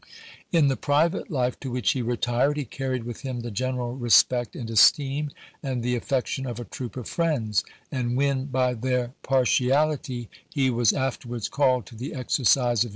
In the private life to which he retired he carried with him the general respect and esteem and the affec tion of a troop of friends ; and when by their par tiality he was afterwards called to the exercise of 190 ABKAHAM LINCOLN Chap. IX.